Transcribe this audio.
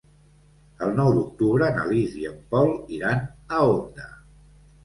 El nou d'octubre na Lis i en Pol iran a Onda.